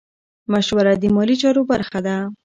مشوره د مالي چارو برخه ده.